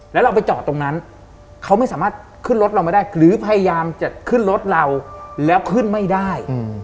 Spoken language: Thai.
แล้วเราไปจอดตรงนั้นเขาไม่สามารถขึ้นรถเราไม่ได้หรือพยายามจะขึ้นรถเราแล้วขึ้นไม่ได้